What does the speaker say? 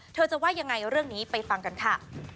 เธอจะว่ายังไงเรื่องนี้ไปฟังกันค่ะ